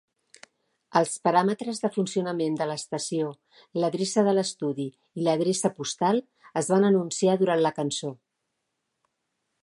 Els paràmetres de funcionament de l'estació, l'adreça de l'estudi i l'adreça postal es van anunciar durant la cançó.